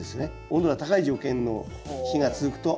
温度が高い条件の日が続くと。